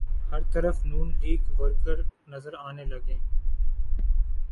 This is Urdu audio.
ہر طرف نون لیگی ورکر نظر آنے لگے۔